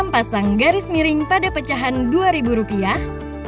pasang garis miring pada pecahan dua ribu rupiah